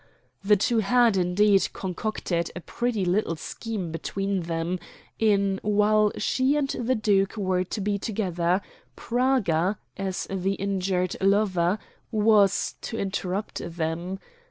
The two had, indeed, concocted a pretty little scheme between them, in while she and the duke were to be together, Praga, as the injured lover, was to interrupt them.